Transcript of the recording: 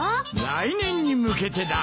来年に向けてだ。